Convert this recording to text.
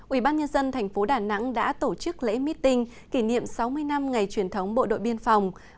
ubnd tp đà nẵng đã tổ chức lễ meeting kỷ niệm sáu mươi năm ngày truyền thống bộ đội biên phòng